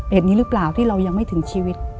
นี้หรือเปล่าที่เรายังไม่ถึงชีวิต